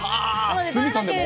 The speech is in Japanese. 鷲見さんでも？